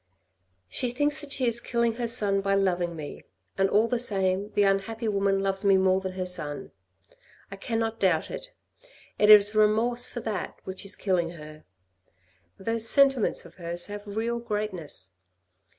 " She thinks that she is killing her son by loving me, and all the same the unhappy woman loves me more than her son. I cannot doubt it. It is remorse for that which is killing her. Those sentiments of hers have real greatness.